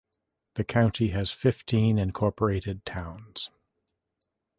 The county has fifteen incorporated towns.